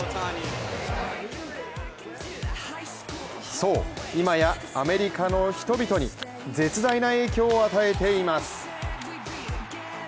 そう、今やアメリカの人々に絶大な影響を与えています。